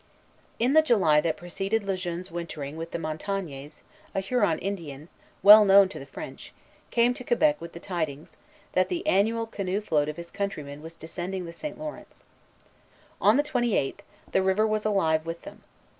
In the July that preceded Le Jeune's wintering with the Montagnais, a Huron Indian, well known to the French, came to Quebec with the tidings, that the annual canoe fleet of his countrymen was descending the St. Lawrence. On the twenty eighth, the river was alive with them.